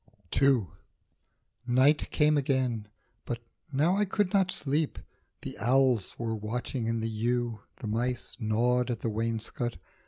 II. NIGHT came again, but now I could not sleep ; The owls were watching in the yew, the mice Gnawed at the wainscot.